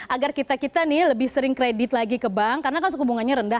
agar kita kita nih lebih sering kredit lagi ke bank karena kan suku bunganya rendah